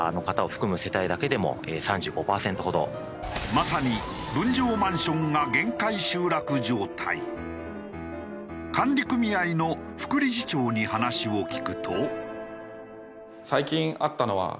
まさに分譲マンションが管理組合の副理事長に話を聞くと。